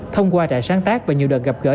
thông qua trại sáng tác và nhiều đợt gặp gỡ